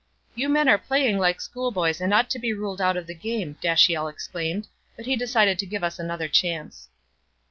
"You men are playing like schoolboys and ought to be ruled out of the game," Dashiell exclaimed, but he decided to give us another chance.